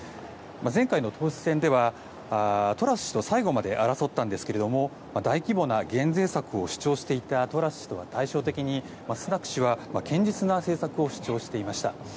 前回の党首選ではトラス氏と最後まで争ったんですが大規模な減税策を主張していたトラス氏とは対照的にスナク氏は堅実な政策を主張していました。